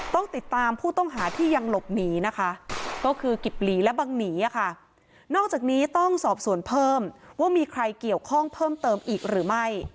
ต้องติดตามผู้ต้องหาที่ยังหลบหนีนะคะ